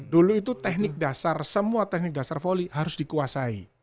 dulu itu teknik dasar semua teknik dasar volley harus dikuasai